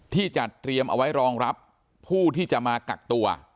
ที่จัดเตรียมเอาไว้รองรับผู้ที่จะมากักตัว